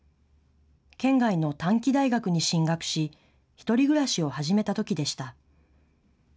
県外の短期大学に進学し１人暮らしを始めたときでした。